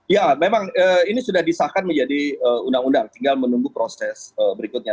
ya memang ini sudah disahkan menjadi undang undang tinggal menunggu proses berikutnya